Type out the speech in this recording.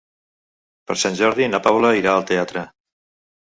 Per Sant Jordi na Paula irà al teatre.